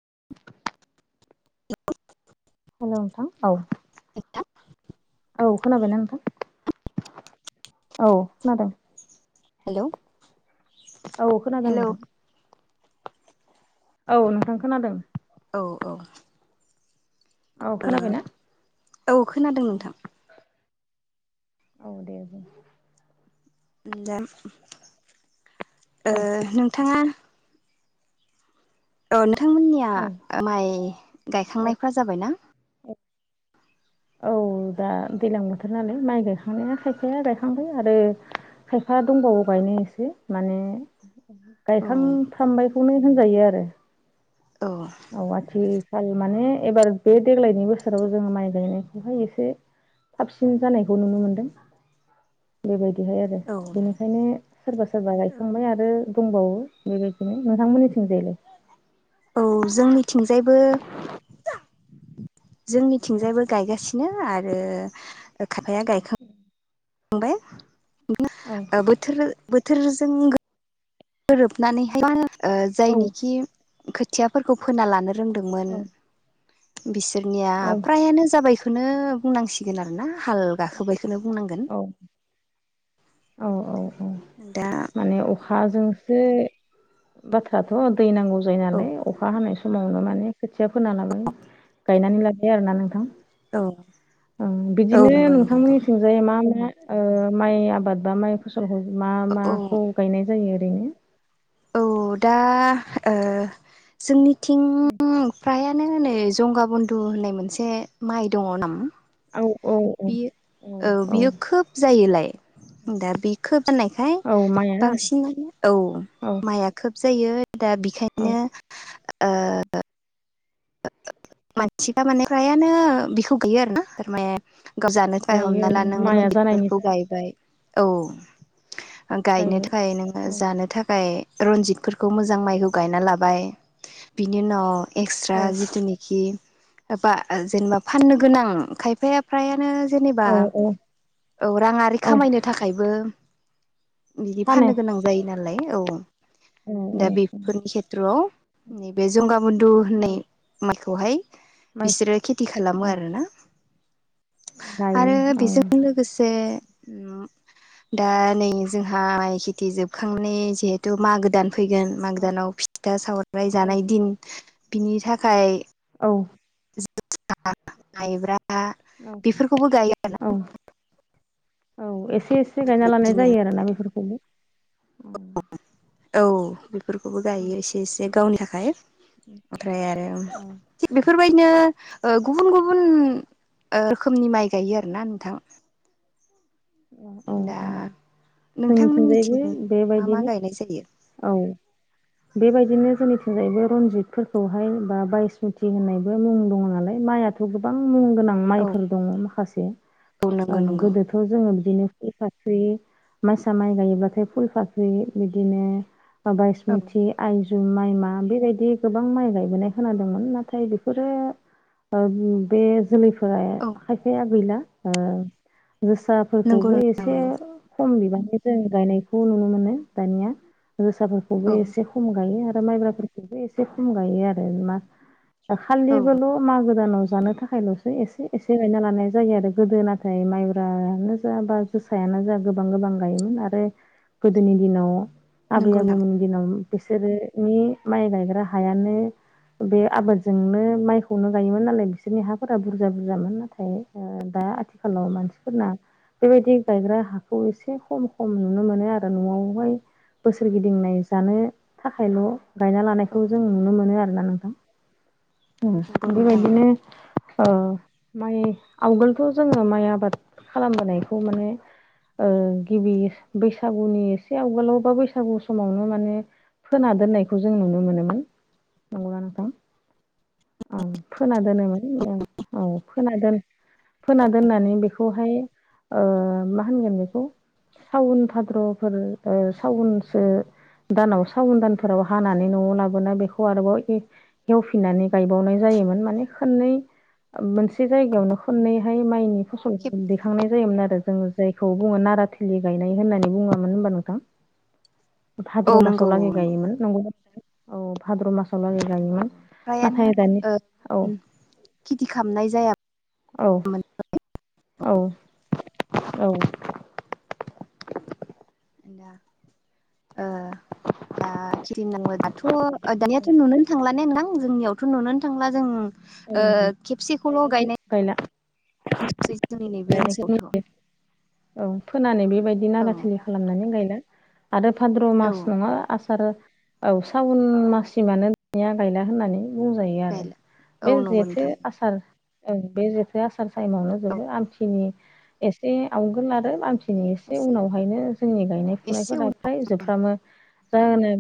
[inaudible] [inaudible] Hello नोंथां औ [inaudible] औ खोनाबायना नोंथां औ खोनादों। हेलौ, औ खोनादों हेलौ नोंथां। औ नोंथां खोनादों। औ औ औ ओ खोनाबायना औ खोनादों औ नोंथां औ दे दे औ ओ नोंथाङा औ नोंथांमोननिया औ माइ औ गायखांनायफ्रा जाबाय ना? औ दा दैज्लां बोथोर नालाय माइ गायखांनाया खायफाया औ गायखांबाय आरो खायफा दंबावो गायनो एसे माने औ गायखांफ्रामबायखौनो होनजायो आरो औ औ आथि माने एबार बे देग्लायनि बोसोराव जोङो माइ गायनायखौहाय एसे साबसिन जानायखौ नुनो मोनदों बेबायदि बिदिहाय आरो औ बेनिखायनो सोरबा सोरबा गायखांबाय आरो दंबावो बेबायदिनो नोंथांमोननिथिंजायलै औ जोंनिथिंजायबो जोंनिथिंजायबो गायगासि सिनो आरो खायफाया गायखांबाय। औ बोथोर बोथोरजों गोरोबनानैहाय ओ औ जायनिखि खो औ बिसोरनिया फ्रायानो जाबायखौनो बुंनांसिगोन आरो ना हाल गाखोबाय बेखौनो बुंनांगोन औ औ औ औ दा माने अखाजोंसो बाथ्राथ' दै नांगौ जायो औ नालाय अखा हानाय समावनो माने खोथिया फोना लाबाय गायनानै लाबाय आरोना औ नोंथांबिदिनो नंगौ नंगौ नोंथांमोननिथिंजाय मा मा ओ माइ आबाद बा माइ फसलखौ मा औ माखौ गायनाय जायो ओरैनो? औ दा ओ जोंनिथिं उम। फ्रायानो नै जंगा बन्दु होननाय मोनसे माइ दङ नामा! औ औ औ बियो औ बियो खोब जायोलाय दा बे खोब फाननायखाय औ माइआ बांसिनानो औ औ माइआ खोब जायो। दा औ बेखायनो, ओ मानसिफ्रा माने फ्रायानो बिखौ गाययो आरोना थारमाने गावजानो थाखाय गायो हमना ला नों माइआ जानायनि रनजितफोरखौ थाखाय गायबाय औ गायनो गायबाय थाखाय नोङो जानो थाखाय रनजितफोरखौ मोजां माइखौ गायना लाबाय बिनि उनाव एक्सट्रा औ जिथुनिखि बा जेनेबा फाननो गोनां खायफाया फ्रायानो जेनेबा औ औ औ रांङारि औ खामायनो थाखायबो बिदि फानो फाननो गोनां जायो नालाय औ औ दा औ बेफोरनि खेथ्र'आव नैबे जंगामुदु होननाय औ माइखौहाय माइ बिसोरो खेथि खालामो औ आरोना गायो आरो औ बेजों लोगोसे दा नै जोंहहा खेथि जोबखांनानै जिहेथु माग गोदान फैगोन मागो औ दानाव फिथा सावराय औ जानाय दिन बिनि थाखाय औ जुथा माइब्रा औ बेफोरखौबो गायो औ आरोना औ एसे एसे गायना लानाय जायो आरोना बेफोरखौबो औ औ बेफोरखौबो गायो इसे इसे गावनि थाखाय ओमफ्राय आरो औ थि बेफोर बायदिनो गुबुन गुबुन रोखोमनि माइ गायो आरोना नोंथां अ अ दा अ नोंथांमोननिथिं जोंनिथिंजायैबो मा मा बेबायदिनो गायनाय जायो औ बेबायदिनो जोंनि जैबो रनजितफोरखौहाय बा बायसमुथि होननायबो मुं दंङो नालाय माइयाथ' गोबां मुं गोनां औ माइफोर दंङ माखासे औ नंगौ नंगौ गोदोथ' जोंङो बिदिनो फुल फाख्रि माइसा माइ गायोब्लाथाय फुल फाख्रि बिदिनो बायस औ मुथि आयजं माइ मा बेबायदि गोबां माइ गायबोनाय खोनादोंमोन नाथाय बेफोरो बे जोलैफोरा औ खायफाया गैला ओ जोसा नंगौ फोरखौबो नोंथां एसे नंगौ खम बिबान जों गायनायखौ नुनो मोनो दानिया जोसाफोरखौबो औ एसे खम गायो आरो माइब्राफोरखौबो एसे खम गायो आरो मा औ खालि बल' मा गो दानाव जानो थाखायल'सो एसे एसे बायना लानाय जायो आरो गोदो नाथाय माइब्रानो जा बा जोसायानो जा गोबां गोबां गायोमोन आरो गोदोनि दिनाव आबै नंगौ नोंथां आबौमोन दिनाव बिसोरोनि माइ गायग्रा हायानो बे आबादजोंनो माइखौनो गायोमोन नालाय बिसोरनि हाफोरा बुरजा बुरजामोन नाथाय ओ दा आथिखालाव मानसिफोरना बेबायदि गायग्रा हाखौ एसे खम खम नुनो मोनो आरो न'आवहाय बोसोरगिदिंनाय जानो थाखायल' गायना औ लानायखौ जों नुनो मोनो आरोना नोंथां नंगौ नोंथां बेबायदिनो ओ माइ आवगोलथ' जोंङो माइ आबाद खालामबोनायखौ माने ओ गिबि बैसागुनि एसे आवगोलाव बा बैसागु समावनो माने फोना दोननायखौ जों नुनो मोनोमोन नंगौ ना नोंथां? औ फोना दोनोमोन औ फोना दोनो फोना दोननानै बेखौहाय ओ मा होनगोन बेखौ सावन भाद्र'फोर ओ सावनसो दानाव साबुन दानफोराव हानानै न'आव लाबोना बेखौ आरोबाव हवफिननानै गायबावनाय जायो मोन माने खोननै मोनसे जायगानो खोननै माइनि फसंनाय जों जायखौ बुंङो नाराथिलि गायनाय होननानै बुंङोमोन होनबा नोंथां। औ भाद्र' नंगौ मासाव लागै नंगौ नोंथां गायोमोन नंगौ औ भाद्र' मास नंगौ [unintelligible] फ्रायानो नाथाय दानि ओ औ गुबुन खेथि खालामनाय जाया औ औ औ दा ओ दा [unintelligible] दाथ' ओ दानियाथ' नुनोनो थांला ने नोंथां जोंनियावथ' नुनोनो थांला जों ओ औ खेबसेखौल' गायनाय गायला [unintelligible] जोंनि नैबे बेनिखायनो ओनसोलावथ' औ फोनानै बेबायदि औ नारा थिलि खालामनानै गायला आरो भाद्र' औ मास नङा आसार औ साउन माससिमानो दानिया गायला होननानै बुंजायो आरो गायला औ बे नंगौ जेथो नोंथां आसार ओं बे जेथो आसार थाइमावनो औ जोबो आमथिनि एसे आवगोल आरो आमथि नि एसे उनावहायनो जोंनि गायनाय एसे फुनायफोरा उन फ्राय जोबफ्रामो जाहोनो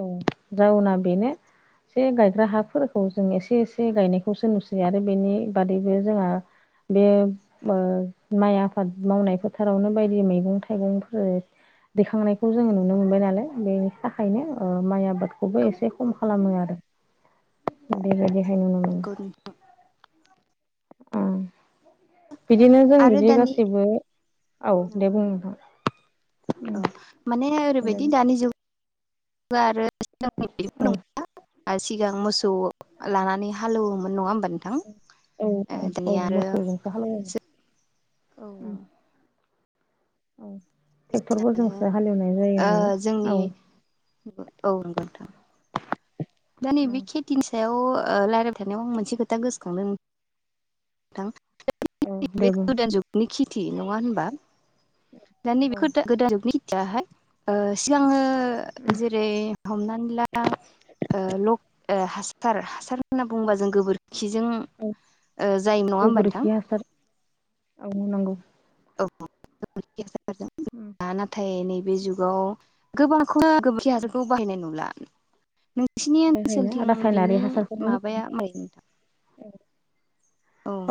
औ जाउना बेनो एसे गायग्रा हाफोरखौ जों एसे एसे एसे गायनायखौसो नुसै आरो बेनि बादैबो जोंहा बे ओ माइ आफाद मावनाय फोथारावनो बायदि मैगं थाइगंफोर दैखांनायखौ जोङो नुनो मोनबाय नालाय बेनि थाखायनो ओ माइ आबाद खौबो औ एसे खम खालामो आरो बेबायदि नंगौ [unintelligible] उम बिदिनो जों आरो बिदि दानि गासैबो औ दे बुं नोंथां अ माने ओरैबायदि दानि जुग आरो औ [unintelligible] ओ सिगां मोसौ लानानै हालौवोमोन नङा होमबा नोंथां औ ओ औ दिनै आरो औ उम औ मिथिनानै टेक्टरफोरजोंसो हालेवनाय जायो ओ जोंनि नालाय औ औ नोंगौ नोंथां दा नैबे खेथिनि सायाव ओ लायरायबाय थानायाव आं मोनसे खोथा गोसोखांदों नों थां औ दे [unintelligible] बुं गोदान जुगनि खेथि नङा होमबा औ [unintelligible] ओ सिगांओ ओ जेरै- हमनानै ला ओ लक ओ हासार हासार होनना बुङोबा जों गोबोरखिजों औ ओ जायोमोन नङा होमबा नोंथां गोबोरखि हासार औ नंगौ [unintelligible] नाथाय नैबे जुगाव गोबां [unintelligible] गोबोरखि हाजारखौ बाहायनाय नुला नोंसिनि बाहायनो ओनसोलथिं रासायनारि बिनि हासारखौनो माबाया [unintelligible]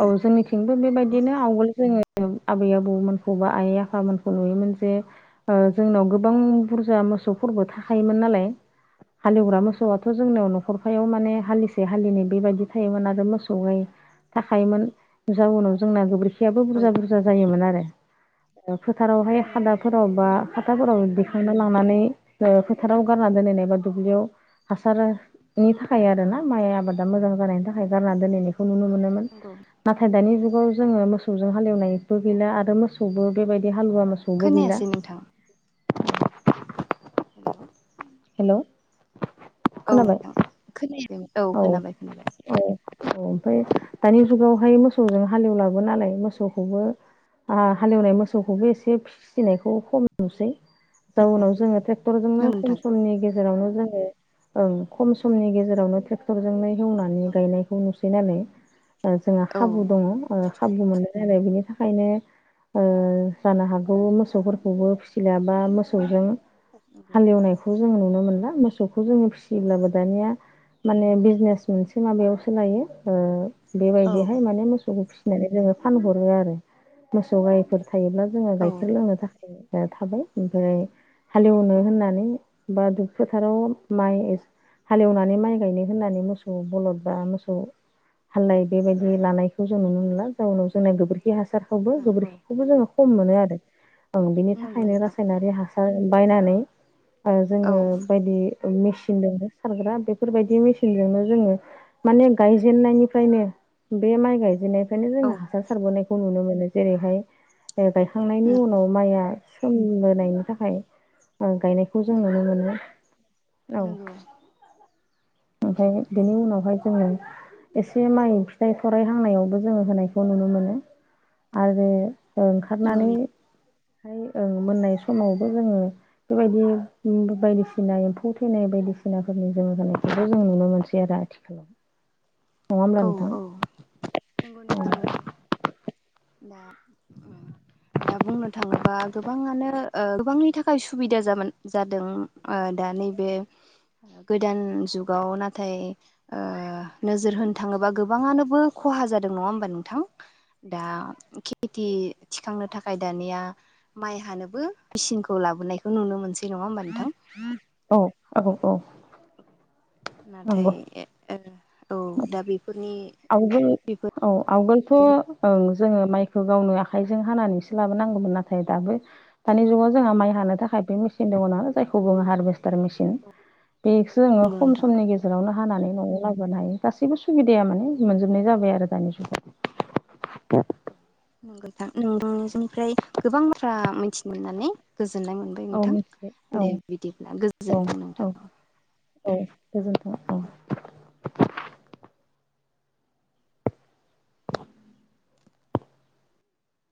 औ जोंनिथिंबो बेबायदिनो आवगोल जोङो [unintelligible] आबै आबौमोनखौ बा आइ आफामोनखौ नुयोमोन जे ओ जोंनाव गोबां बुरजा औ मोसौफोरबो थाखायोमोन नालाय हालेवग्रा मोसौआथ' औ जोंनियाव न' खरफायाव माने हालिसे हालिनै बेबायदि थायोमोन आगोल मोसौहाय थाखायोमोन जा उनाव जोंना गोबोरखियाबो बुरजा बुरजा जायोमोन आरो फोथारावहाय खादाफोराव बा खादाफोराव दिखांना लांनानै ओ फोथाराव गारना दोनहैनाय एबा दुब्लियाव हासारनि थाखाय आरो ना माइ आबादा मोजां जानायनि थाखाय गारना दोनहैनायखौ नुनो मोनोमोन। नाथाय दानि जुगाव जोङो मोसौजों हालेवनायबो गैला आरो मोसौबो बेबायदि हालुवा मोसौबो गैला खोनायासै नोंथां हेलौ हेलौ औ नोंथां औ खोनाबाय खोनाबाय औ औ ओमफ्राय दानि जुगावहाय मोसौजों हालेवलाबो नालाय मोसौखौबो आ हालेवनाय मोसौखौबो एसे फिसिनायखौ खम नुसै नंगौ जाउनाव जोङो ट्रेक्टरजोंनो नोंथां समनि गेजेरावनो जोङो खम समनि गेजेरावनो ट्रेक्टरजोंनो एवनानै औ गायनायखौ नुसै थै नालाय जोंहा औ हाबु दङ हाबु मोननाय नालाय बिनि थाखायनो ओ जानो हागौ मोसौफोरखौबो फिसिलायाबा मोसौजों हालेवनायखौ [unintelligible] जों नुनो मोनला मोसौखौ जोङो फिसियोब्लाबो दानिया माने बिजनेस मोनसे माबायावसो लायो ओ बेबायदिहाय माने मोसौखौ फिसि फिनानै जोङो फानहरो आरो मोसौ गायफोर थायोब्ला जोङो गाइखेर औ लोंनो थाखाय या थाबाय ओमफ्राय हालएवनो औ होननानै बा दुब फोथाराव माइ हाल एवनानै माइ गायनो होननानै मोसौ बलद बा मोसौ हालाय बेबायदि लानायखौ जों नुनो मोनला जाउनाव जोंना गोबोरखि खि हासारखौबो नंगौ गोबोरखिखौबो जोङो खम मोनो आरो ओं बिनि नंगौ थाखायनो नोंथां रासायनारि हासार बायनानै ओ औ जोङो बायदि ओ मेसिनदोंबो सारग्रा बेफोरबायदि मेसिनजोंनो जोङो माने गायजेननायनिफ्रायनो बे माइ गायजेननाय बेखायनो औ जोङो हासार सारबोनायखौ नुनो मोनो जेरैहाय गायखांनायनि नंगौ उनाव माइआ सोमबोनायनि थाखाय ओ गायनाय खौ जों नुनो नंगौ मोनो। औ। नंगौ ओमफ्राय बेनि उनावहाय जोङो एसे माइ फिथाइ थराइ हांनायावबो जोङो होनायखौ नुनो मोनो। आरो ओ ओंखारनानै नंगौ फाय ओ मोननाय समावबो जोङो बेबायदि बायदिसिना एम्फौ थैनाय बायदि दिसिनाफोरनि जोङो होनानायखौबो जों नुनो मोनसै आरो आथिखालाव। नङा होमब्ला नोंथां औ-औ नंगौ नोंथां नंगौ। दा ओम दा बुंनो थाङोबा गोबाङानो ओ गोबांनि थाखाय सुबिदा जामोन जादों ओ दा दानि बे गोदान जुगाव नाथाय ओ नोजोर होनो थाङोबा गोबाङानोबो खहा जादों नङा होमबा नोंथां दा खेति थिखांनो थाखाय दानिया माइ हानोबो मेचिनखौ लाबोनायखौ नुनो मोनसै। नङा होमबा नोंथां औ-औ-औ। नाथाय ओ औ दा बेफोरनि आवगोल बेफोर औ आवगोलथ' ओं जोङो माइखौ गावनो आखाइजों हानानैसो लाबोनांगौमोन नाथाय दाबो दानि नंगौ जुगाव जोंहा माइ हानो थाख खाय मेचिन दङना जायखौ बुङो हारभेस्टार मेसिन बेखोसो जोङो खम नोंथां समनि गेजेरावनो हानानै न'आव लाबोनो हायो गासैबो सुबिदाया माने मोनजोबनाय जाबाय आरो दानि जुगाव। नोंगोनथां नोंथांनिसिमफ्राय गोबां बाथ्रा मिथिनो मोननानै गोजोननाय मोनबाय औ नोंथां मिथिबाय औ दे बिदिब्ला गोजोनथों नोंथां। गोजोनथों औ।